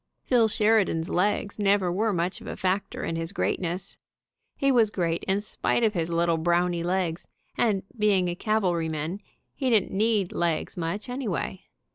Phil. Sheridan's legs never were much of a factor in his greatness. He was great in spite of his little brownie legs, and being a cavalryman he didn't need legs much, anyway.